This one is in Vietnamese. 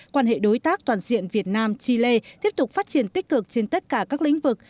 quan hệ đối tác toàn diện việt nam chile tiếp tục phát triển tích cực trên tất cả các lĩnh vực